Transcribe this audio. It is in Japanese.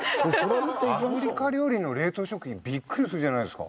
アフリカ料理の冷凍食品ビックリするじゃないですか。